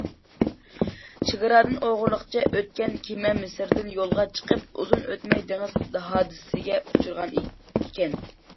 چېگرادىن ئوغرىلىقچە ئۆتكەن كېمە مىسىردىن يولغا چىقىپ ئۇزۇن ئۆتمەي دېڭىز ھادىسىسىگە ئۇچرىغان ئىكەن.